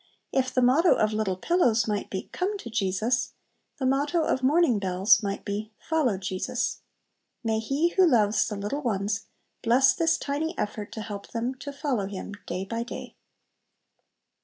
If the motto of "Little Pillows" might be "Come to Jesus," the motto of "Morning Bells" might be "Follow Jesus." May He who loves the little ones bless this tiny effort to help them to follow Him day by day.